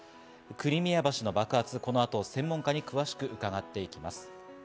クリミア橋の爆発、この後、専門家に詳しく伺っていきます。